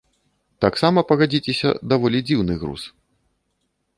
Таксама, пагадзіцеся, даволі дзіўны груз.